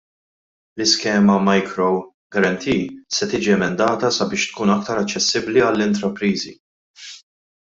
L-iskema Micro Guarantee se tiġi emendata sabiex tkun aktar aċċessibbli għall-intrapriżi.